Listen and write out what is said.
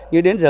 như đến giờ